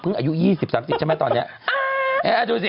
เพิ่งอายุ๒๐๓๐ใช่ไหมตอนนี้